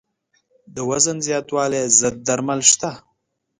د وزن زیاتوالي ضد درمل شته.